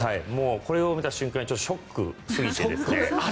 これを見た瞬間にショックすぎて。